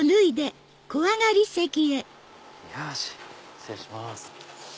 失礼します。